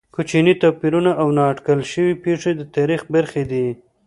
کوچني توپیرونه او نا اټکل شوې پېښې د تاریخ برخې دي.